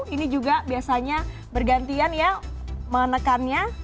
ini juga biasanya bergantian ya menekannya